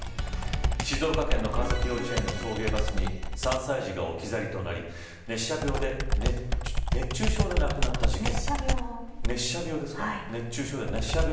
静岡県の川崎幼稚園の送迎バスに３歳児が置き去りとなり熱射病で亡くなった事件。